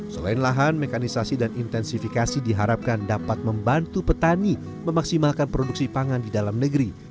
selain lahan mekanisasi dan intensifikasi diharapkan dapat membantu petani memaksimalkan produksi pangan di dalam negeri